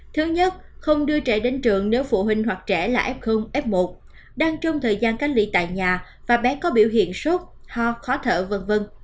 thứ nhất không đưa trẻ đến trường nếu phụ huynh hoặc trẻ là ép không ép một đang trong thời gian cách lị tại nhà và bé có biểu hiện sốt ho khó thở v v